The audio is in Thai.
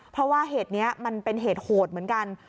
เพราะว่าเหตุนี้มันเป็นเหตุโหดเหมือนกัน